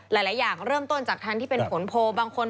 หลายอย่างเริ่มต้นจากทางที่เป็นผลโพลบางคน